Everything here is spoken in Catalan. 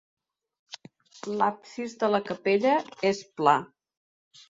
L'absis de la capella és pla.